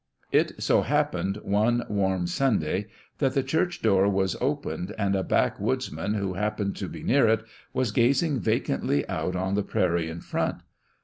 It so happened one warm Sunday that the church door was opened, and a backwoodsman who happened to be near it was gazing vacantly out on the prairie in front.